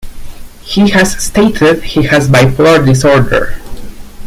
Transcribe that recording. He has stated he has bipolar disorder.